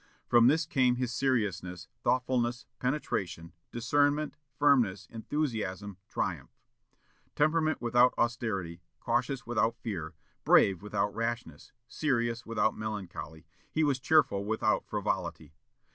From this came his seriousness, thoughtfulness, penetration, discernment, firmness, enthusiasm, triumph.... Temperate without austerity; cautious without fear; brave without rashness; serious without melancholy, he was cheerful without frivolity.